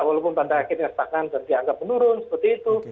walaupun pada akhirnya setengah setengah dianggap menurun seperti itu